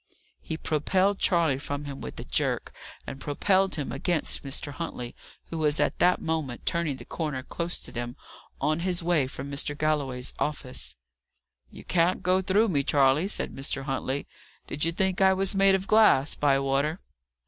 He propelled Charley from him with a jerk, and propelled him against Mr. Huntley, who was at that moment turning the corner close to them, on his way from Mr. Galloway's office. "You can't go through me, Charley," said Mr. Huntley. "Did you think I was made of glass, Bywater?"